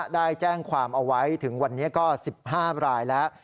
ได้แจ้งความเอาไว้ถึงวันนี้ก็๑๕รายแล้ว